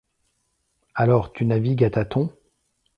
Alors tu navigues à tâtons?